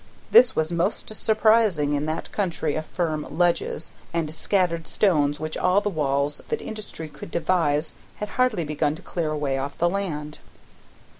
This was most surprising in that country of firm ledges, and scattered stones which all the walls that industry could devise had hardly begun to clear away off the land.